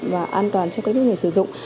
và an toàn cho các người sử dụng